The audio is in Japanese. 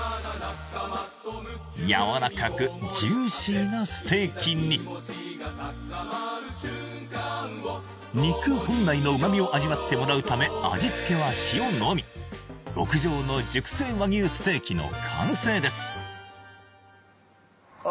やわらかくジューシーなステーキに肉本来の旨味を味わってもらうため味付けは塩のみ極上の熟成和牛ステーキの完成ですああ